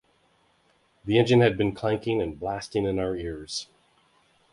The engine had been clanking and blasting in our ears.